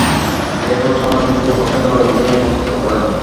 এরপর সাংবাদিকের প্রশ্নের জবাবে তিনি এ মন্তব্য করেন।